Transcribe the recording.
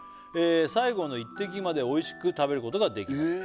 「最後の一滴までおいしく食べることができます」